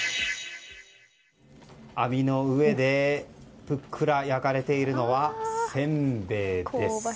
網の上でふっくら焼かれているのはせんべいです。